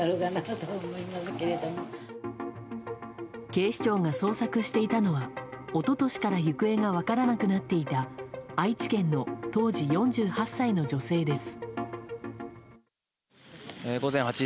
警視庁が捜索していたのは一昨年から行方が分からなくなっていた愛知県の当時４８歳の女性です。